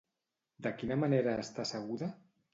De quina manera està asseguda?